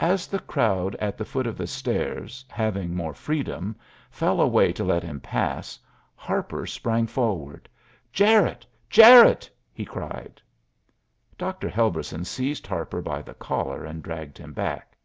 As the crowd at the foot of the stairs, having more freedom, fell away to let him pass Harper sprang forward. "Jarette! Jarette!" he cried. Dr. Helberson seized Harper by the collar and dragged him back.